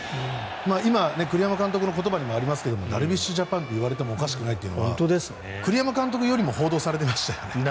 今、栗山監督の言葉にもありましたがダルビッシュジャパンと言われてもおかしくないというのは栗山監督よりも報道されてましたよね。